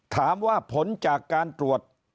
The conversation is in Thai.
ถามว่าผลจากการตรวจ